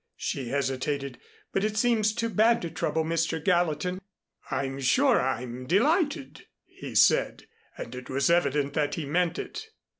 She hesitated. "But it seems too bad to trouble Mr. Gallatin." "I'm sure I'm delighted," he said, and it was evident that he meant it.